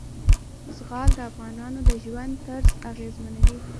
زغال د افغانانو د ژوند طرز اغېزمنوي.